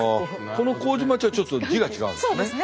この糀町はちょっと字が違うんですね。